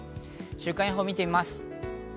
週間予報を見てみます。